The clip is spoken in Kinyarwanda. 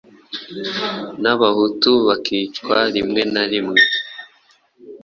n'Abahutu bakicwa rimwe na rimwe